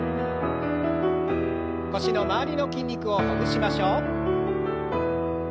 腰の周りの筋肉をほぐしましょう。